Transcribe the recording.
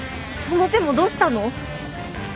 その手もどうしたの？